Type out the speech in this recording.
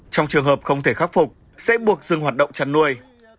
trong trường hợp không thể khắc phục sẽ buộc dừng hoạt động chăn nuôi